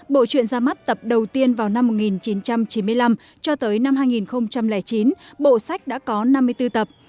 bộ chuyện ra mắt tập đầu tiên vào năm một nghìn chín trăm chín mươi năm cho tới năm hai nghìn chín bộ sách đã có năm mươi bốn tập